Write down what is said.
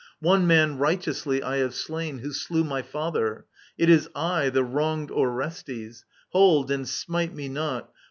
One man righteously I have slain, who slew my father. It is I, The wronged Orestes I Hold, and smite me not.